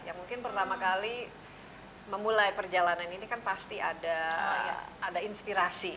yang mungkin pertama kali memulai perjalanan ini kan pasti ada inspirasi